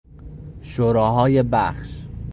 شوراهای بخش